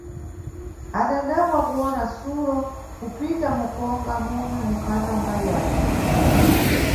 Adadabwa kuwona sulo kupita mukhonga momwe mukhana mayi yace.